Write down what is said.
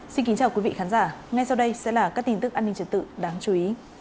xin kính chào quý vị khán giả ngay sau đây sẽ là các tin tức an ninh trật tự đáng chú ý